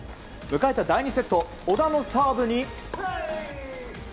迎えた第２セット小田のサーブに。